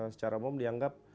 secara umum dianggap